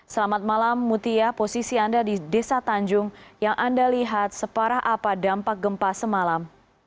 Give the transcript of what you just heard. selamat malam mutia posisi anda di desa tanjung yang anda lihat separah apa dampak gempa semalam